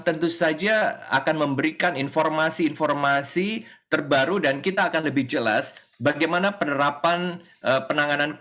terima kasih atas kehadirannya